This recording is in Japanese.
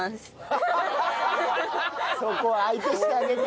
そこは相手してあげて。